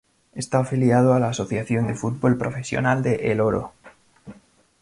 Está afiliado a la Asociación de Fútbol Profesional de El Oro.